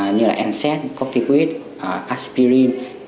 như là enset coptiquit aspirin